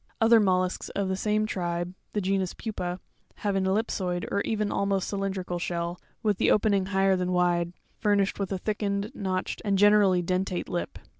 Other mollusks of the same eae tribe, the genus Pupa, have an ellipsoid, or even almost cylindrical shell, with the opening higher than wide, furnished with a thickened, notched, and generally dentate lip (fig.